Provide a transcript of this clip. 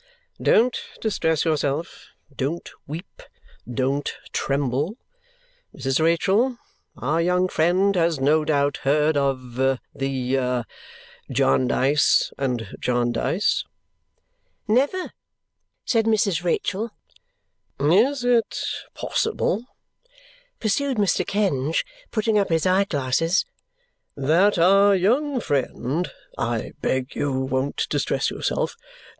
Don't distress yourself! Don't weep! Don't tremble! Mrs. Rachael, our young friend has no doubt heard of the a Jarndyce and Jarndyce." "Never," said Mrs. Rachael. "Is it possible," pursued Mr. Kenge, putting up his eye glasses, "that our young friend I BEG you won't distress yourself!